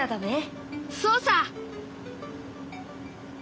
そうさ。